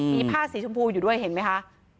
มีผ้าสีชมพูอยู่ด้วยเห็นไหมคะ